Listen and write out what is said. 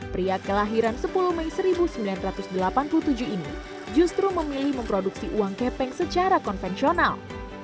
pria kelahiran sepuluh mei seribu sembilan ratus delapan puluh tujuh ini justru memilih memproduksi uang kepeng secara konvensional